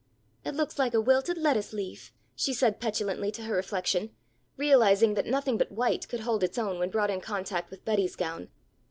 "It looks like a wilted lettuce leaf," she said petulantly to her reflection, realizing that nothing but white could hold its own when brought in contact with Betty's gown.